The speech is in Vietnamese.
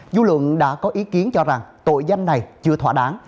du lượng đã có ý kiến cho rằng tội danh này chưa thỏa đáng